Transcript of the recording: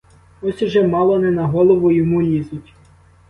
Ось уже мало не на голову йому лізуть.